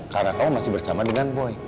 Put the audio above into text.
karena kamu masih bersama dengan boy